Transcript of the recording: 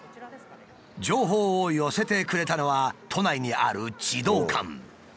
情報を寄せてくれたのは都内にある児童館。